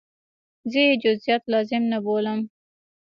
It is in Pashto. زه یې جزئیات لازم نه بولم.